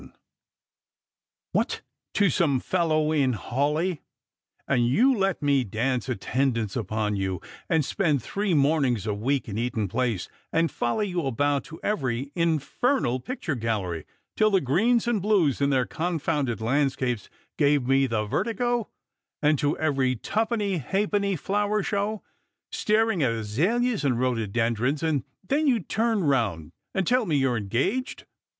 Strangera and Pilgnns. 185 •' What, to some fellow in Hawleigh ! And you let me dance attendance upon you, and spend three mornings a week in Eaton ]ilace, and follow you about to every infernal picture gallery till the greens and blues in their confoundod laud Bcapes gave me the vertigo, and to every twopenny halfpenny flower show, staring at azaleas and rhododendrons ; and then you turn round and tell me you're engaged